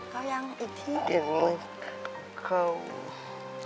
เขายังไง